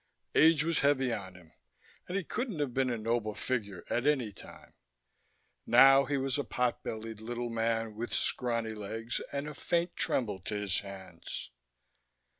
Age was heavy on him, and he couldn't have been a noble figure at any time. Now he was a pot bellied little man with scrawny legs and a faint tremble to his hands.